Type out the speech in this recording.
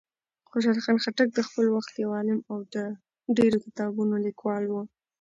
خوشحال خان خټک د خپل وخت یو عالم او د ډېرو کتابونو لیکوال و.